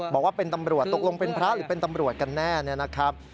บอกว่าเป็นตำรวจตกลงเป็นพระหรือเป็นตำรวจกันแน่เนี่ยนะครับ